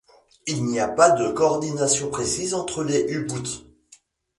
Il n'y a pas de coordination précise entre les U-Boots.